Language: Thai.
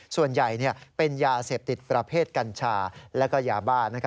ส่วนใหญ่เป็นยาเสพติดประเภทกัญชาและยาบ้า